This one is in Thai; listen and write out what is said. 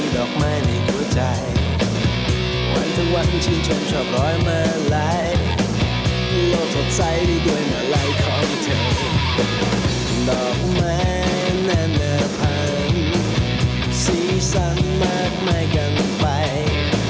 ดอกแม่แน่นหน้าพันธุ์สีสันมากมายกันไป